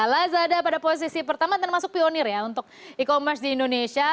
lazada pada posisi pertama termasuk pionir ya untuk e commerce di indonesia